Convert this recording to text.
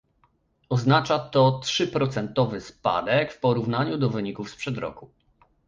Oznacza to trzyprocentowy spadek w porównaniu do wyników sprzed roku